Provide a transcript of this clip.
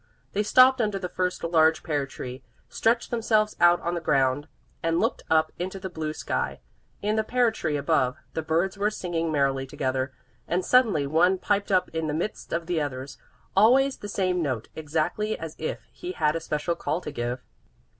They stopped under the first large pear tree, stretched themselves out on the ground and looked up into the blue sky. In the pear tree above, the birds were singing merrily together, and suddenly one piped up in the midst of the others, always the same note, exactly as if he had a special call to give.